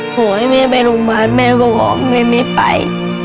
ขอให้แม่ไปโรงพยาบาลแม่ก็บอกแม่ไม่ไป